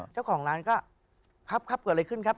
เจ้าของร้านก็ครับครับเกิดอะไรขึ้นครับ